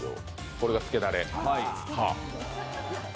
これがつけだれ。